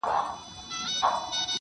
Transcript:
يوه ورځ يو هلک پوښتنه کوي,